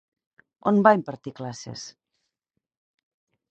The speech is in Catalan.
On va impartir classes?